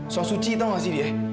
so suci tau gak sih dia